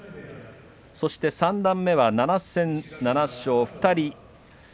そして三段目は７戦７勝２人。